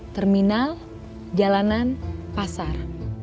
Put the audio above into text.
terminal jalanan pasar